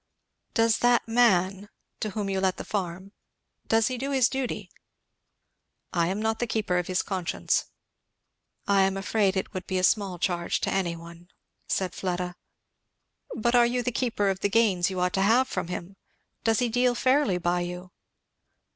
"Does that man to whom you let the farm does he do his duty?" "I am not the keeper of his conscience." "I am afraid it would be a small charge to any one," said Fleda. "But are you the keeper of the gains you ought to have from him? does he deal fairly by you?"